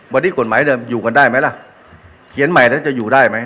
วันนี้กฎหมายเดิมอยู่กันได้ไหมล่ะเขียนใหม่แล้วจะอยู่ได้ไหม